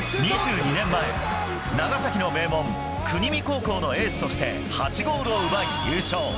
２２年前、長崎の名門、国見高校のエースとして、８ゴールを奪い優勝。